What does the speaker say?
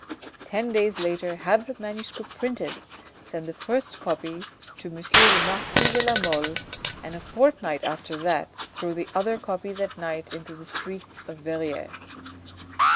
Ten days later have the manuscript printed, send the first copy to M. the marquis de la Mole, and a fortnight after that throw the other copies at night into the streets of Verrieres.